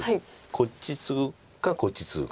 こっちツグかこっちツグか。